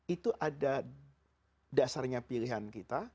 itu ada dasarnya pilihan kita